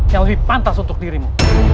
yang lebih pantas untuk dirimu